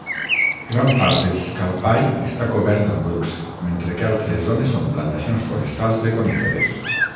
Gran part d'Scalpay està cobert amb brucs, mentre que altres zones són plantacions forestals de coníferes.